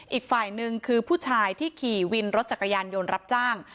อีกฝ่ายหนึ่งคือผู้ชายที่ขี่วินรถจักรยานยนต์รับจ้าง